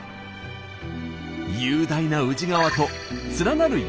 雄大な宇治川と連なる山々。